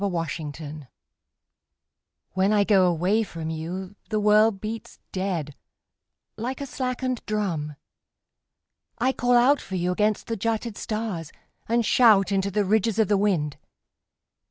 The Taxi When I go away from you The world beats dead Like a slackened drum. I call out for you against the jutted stars And shout into the ridges of the wind.